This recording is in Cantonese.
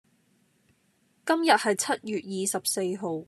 今日係七月二十四號